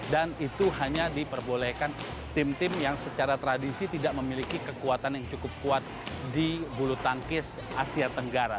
dan itu hanya diperbolehkan tim tim yang secara tradisi tidak memiliki kekuatan yang cukup kuat di bulu tangkis asia tenggara